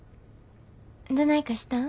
どないかしたん？